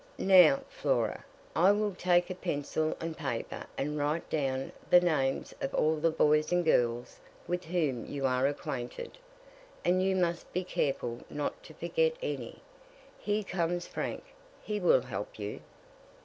"Now, Flora, I will take a pencil and paper and write down the names of all the boys and girls with whom you are acquainted; and you must be careful not to forget any. Here comes Frank; he will help you."